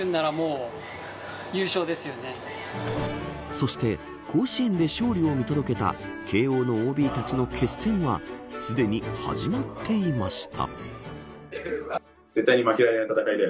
そして、甲子園で勝利を見届けた慶応のＯＢたちの決戦はすでに始まっていました。